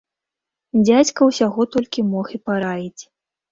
Дзядзька ўсяго толькі мог і параіць.